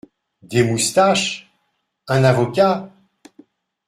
Des moustaches ! un avocat ?